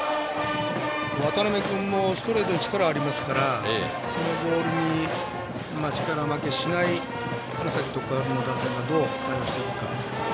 渡邉君はボールに力ありますからそのボールに力負けしない花咲徳栄の打線がどう対応していくか。